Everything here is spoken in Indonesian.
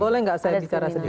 boleh gak saya bicara sedikit